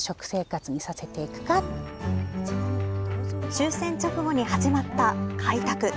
終戦直後に始まった開拓。